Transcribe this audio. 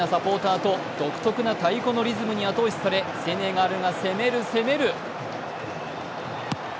元気なサポーターと独特な太鼓のリズムに後押しされ、セネガルが攻める、攻める。